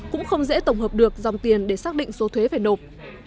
cũng không dễ tổng hợp được dòng tiền để xác định số thuế phải nộp